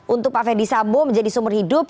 untuk pak verdi sambu menjadi sumber hidup